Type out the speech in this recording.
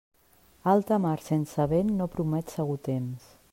Alta mar sense vent, no promet segur temps.